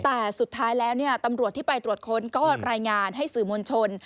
แต่สุดท้ายแล้วตำรวจที่ไปตรวจค้นก็รายงานให้สื่อมวลชน